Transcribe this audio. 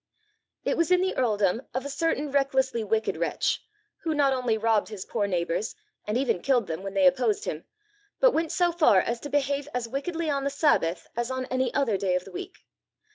"It was in the earldom of a certain recklessly wicked wretch, who not only robbed his poor neighbours, and even killed them when they opposed him, but went so far as to behave as wickedly on the Sabbath as on any other day of the week.